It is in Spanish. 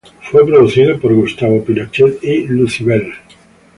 Fue producido por Gustavo Pinochet y Lucybell.